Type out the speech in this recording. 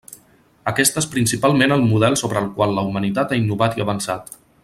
Aquest és principalment el model sobre el qual la humanitat ha innovat i avançat.